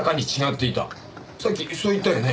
さっきそう言ったよね？